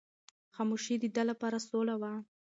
خاموشي د ده لپاره سوله وه.